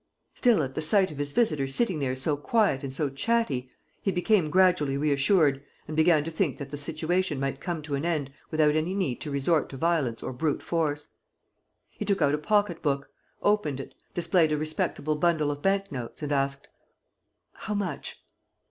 ... Still, at the sight of his visitor sitting there so quiet and so chatty, he became gradually reassured and began to think that the situation might come to an end without any need to resort to violence or brute force. He took out a pocket book, opened it, displayed a respectable bundle of bank notes and asked: "How much?"